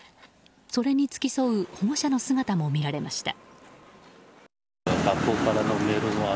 それに付き添う保護者の姿も見られました。